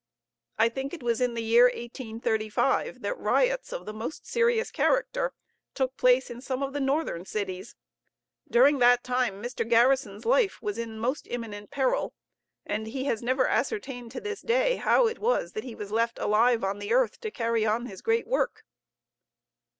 I think it was in the year 1835 that riots of the most serious character took place in some of the northern cities; during that time Mr. Garrison's life was in the most imminent peril; and he has never ascertained to this day how it was that he was left alive on the earth to carry on his great work.